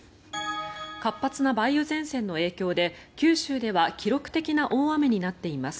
活発な梅雨前線の影響で九州では記録的な大雨になっています。